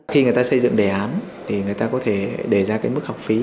khi người ta xây dựng đề án thì người ta có thể để ra mức học phí